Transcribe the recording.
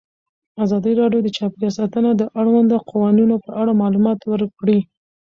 ازادي راډیو د چاپیریال ساتنه د اړونده قوانینو په اړه معلومات ورکړي.